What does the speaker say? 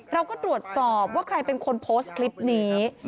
เราก็ตรวจสอบว่าใครเป็นคนโพสต์คลิปนี้